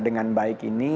dengan baik ini